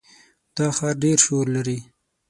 دا ښار ډېر شور لري.